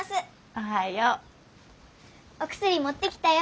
おはよう。お薬持ってきたよ。